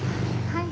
はい。